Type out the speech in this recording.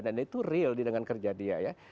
dan itu real dengan kerja dia ya